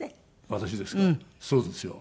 私ですか？